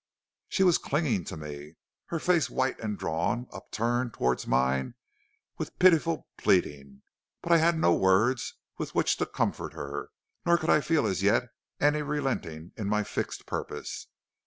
"She was clinging to me, her face white and drawn, upturned towards mine with pitiful pleading, but I had no words with which to comfort her, nor could I feel as yet any relenting in my fixed purpose.